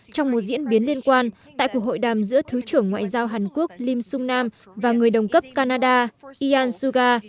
trong một diễn biến liên quan tại cuộc hội đàm giữa thứ trưởng ngoại giao hàn quốc lim sung nam và người đồng cấp canada ian suga